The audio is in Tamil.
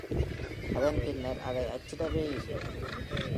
அதன் பின்னர் அதை அச்சிடவேயில்லை.